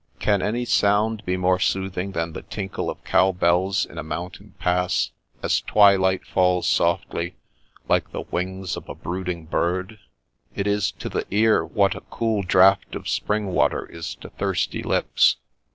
Can any sound be more soothing than the tinkle of cow bells in a mountain pass, as twilight falls softly, like the wings of a brooding bird? It is to the ear what a cool draught of spring water is to thirsty lips.